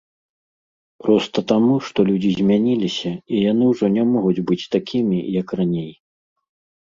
Проста таму, што людзі змяніліся і яны ўжо не могуць быць такімі, як раней.